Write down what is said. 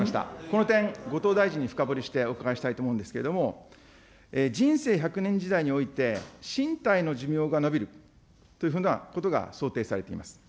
この点、後藤大臣に深掘りしてお伺いしたいと思うんですけれども、人生１００年時代において、身体の寿命が延びるというふうなことが想定されています。